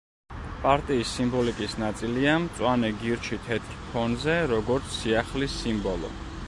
პარტიის სიმბოლიკის ნაწილია მწვანე გირჩი თეთრ ფონზე, როგორც სიახლის სიმბოლო.